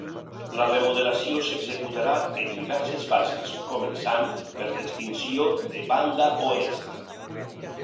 La remodelació s'executarà en diverses fases, començant per l'extinció de banda oest.